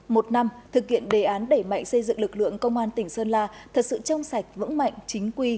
một năm thực hiện đề án đẩy mạnh xây dựng lực lượng công an tỉnh sơn la thật sự trong sạch vững mạnh chính quy